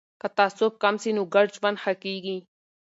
که تعصب کم سي نو ګډ ژوند ښه کیږي.